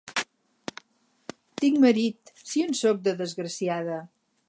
Tinc marit, si en sóc desgraciada!